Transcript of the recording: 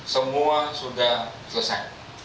semua sudah selesai